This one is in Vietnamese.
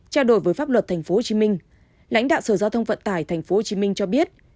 trao đổi với pháp luật tp hcm lãnh đạo sở giao thông vận tải tp hcm cho biết